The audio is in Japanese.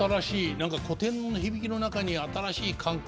何か古典の響きの中に新しい感覚。